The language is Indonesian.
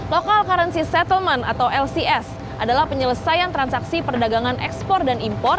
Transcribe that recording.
local currency settlement atau lcs adalah penyelesaian transaksi perdagangan ekspor dan impor